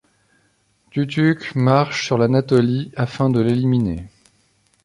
Tutuch marche sur l'Anatolie afin de l'éliminer.